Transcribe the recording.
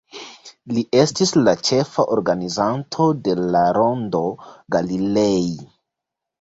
Li estis la ĉefa organizanto de la Rondo Galilei.